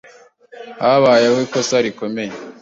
Habayeho ikosa rikomeye.